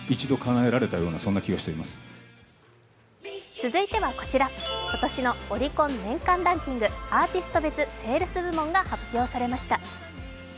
続いてはこちら、今年のオリコン年間ランキングアーティスト別セールス部門が発表されました。